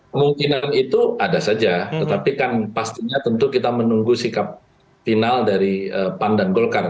kemungkinan itu ada saja tetapi kan pastinya tentu kita menunggu sikap final dari pan dan golkar